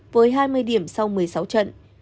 với hai mươi điểm sau một mươi sáu trận